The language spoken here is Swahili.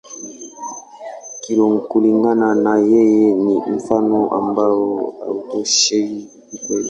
Kulingana na yeye, ni mfano ambao hautoshei ukweli.